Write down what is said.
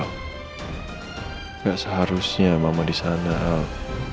nggak seharusnya mama di sana al